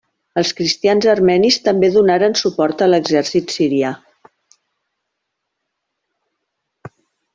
Els cristians armenis també donaren suport a l'Exèrcit sirià.